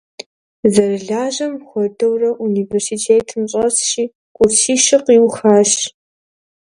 Зэрылажьэм хуэдэурэ университетым щӏэсщи, курсищыр къиухащ.